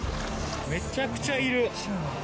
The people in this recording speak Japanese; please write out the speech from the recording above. めちゃくちゃいる。